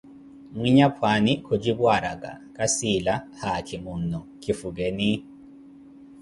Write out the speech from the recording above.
Mwinyapwaani kujipu araka, kasiila haakimunnu, kifukeni.